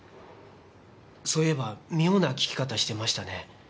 そういえば妙な聞き方してましたね。